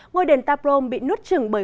ngôi đền ta prohm bị nuốt trừng bởi